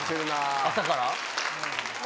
朝から？